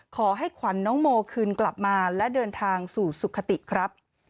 ขอให้ขวัญน้องโมคืนกลับมาและเดินทางสู่สุขติครับ